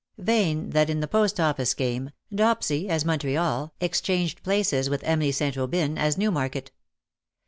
Vain that in the Post Office game, Dopsy as Montreal exchanged places with Emily St. Aubyn as Newmarket.